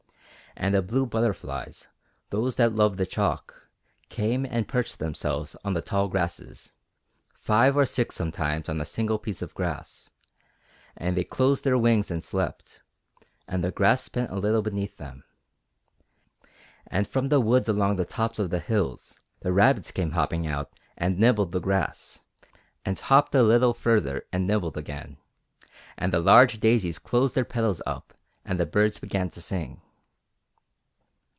And the blue butterflies, those that love the chalk, came and perched themselves on the tall grasses, five or six sometimes on a single piece of grass, and they closed their wings and slept, and the grass bent a little beneath them. And from the woods along the tops of the hills the rabbits came hopping out and nibbled the grass, and hopped a little further and nibbled again, and the large daisies closed their petals up and the birds began to sing.